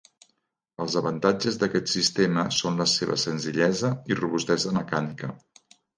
Els avantatges d'aquest sistema són la seva senzillesa i robustesa mecànica.